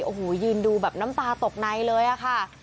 โอ้โหยืนดูแบบน้ำตาตกในเลยอะค่ะ